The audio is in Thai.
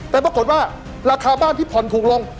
แต่ปรากฏว่าราคาบ้านที่ผ่อนถูกลง